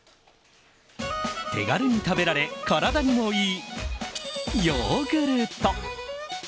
手軽に食べられ体にもいいヨーグルト。